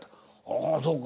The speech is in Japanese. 「ああそうか。